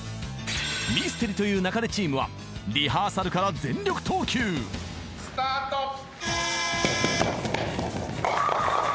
［『ミステリと言う勿れ』チームはリハーサルから全力投球］スタート。